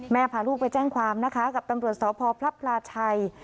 พาลูกไปแจ้งความนะคะกับตำรวจสพพระพลาชัย